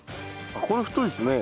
これ太いですね。